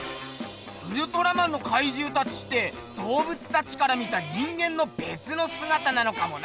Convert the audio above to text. ウルトラマンのかいじゅうたちって動物たちから見た人間のべつのすがたなのかもな。